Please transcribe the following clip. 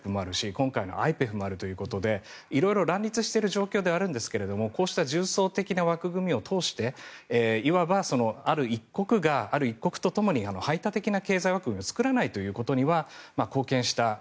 今回のＩＰＥＦもあるということで乱立している状況ではあるんですが重層的な枠組みを通していわばある一国がある一国とともに排他的な経済枠組みを作らないことには。